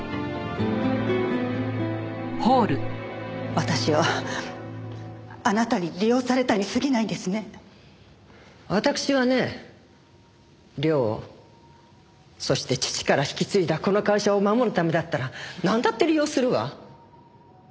私はあなたに利用されたに過ぎないんですね。私はね良をそして父から引き継いだこの会社を守るためだったらなんだって利用するわ。